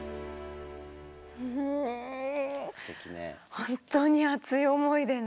本当に熱い思いでね。